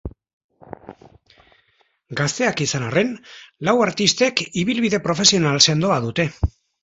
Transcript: Gazteak izan arren, lau artistek ibilbide profesional sendoa dute.